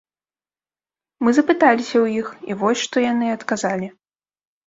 Мы запыталіся ў іх, і вось што яны адказалі.